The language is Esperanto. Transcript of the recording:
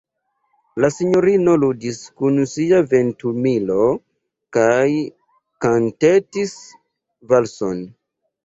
La sinjorino ludis kun sia ventumilo kaj kantetis valson.